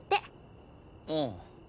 うん。